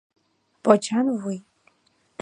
Почан вуй.